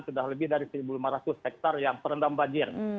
sudah lebih dari satu lima ratus hektare yang terendam banjir